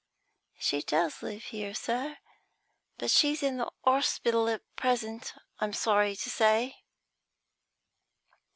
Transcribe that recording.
"She does live here, sir, but she's in the orspital at present, I'm sorry to say."